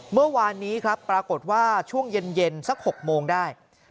เมื่อวานนี้ครับปรากฏว่าช่วงเย็นสัก๖โมงได้